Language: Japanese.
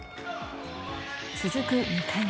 続く２回目。